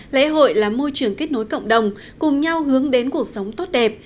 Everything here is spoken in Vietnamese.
lễ hội là môi trường kết nối cộng đồng cùng nhau hướng đến cuộc sống tốt đẹp